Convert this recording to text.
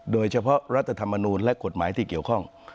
โดยเฉพาะรัฐธรรมนูลและกฎหมายที่เกี่ยวข้อง